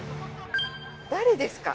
誰ですか？